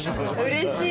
うれしい。